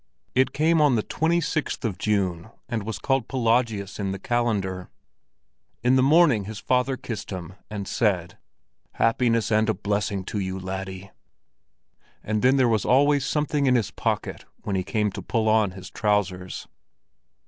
It came on the twenty sixth of June and was called Pelagius in the calendar. In the morning his father kissed him and said: "Happiness and a blessing to you, laddie!" and then there was always something in his pocket when he came to pull on his trousers.